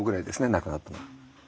亡くなったのは。